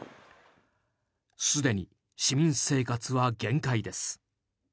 すでに市民生活は限界です。